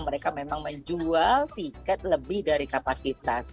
mereka memang menjual tiket lebih dari kapasitas